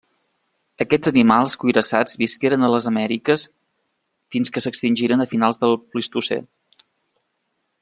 Aquests animals cuirassats visqueren a les Amèriques fins que s'extingiren a finals del Plistocè.